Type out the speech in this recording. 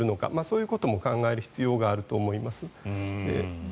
そういうことも考える必要があると思います。